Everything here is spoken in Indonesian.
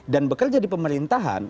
dan bekerja di pemerintahan